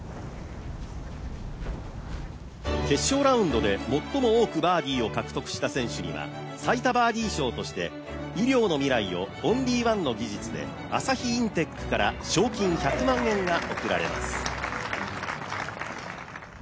決勝ラウンドで最も多くバーディーを獲得した選手には最多バーディ賞として医療の未来をオンリーワンの技術で朝日インテックから賞金１００万円が贈られます。